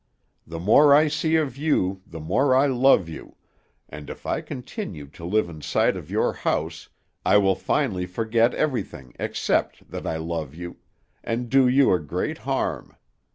The more I see of you, the more I love you; and if I continue to live in sight of your house, I will finally forget everything except that I love you, and do you a great harm.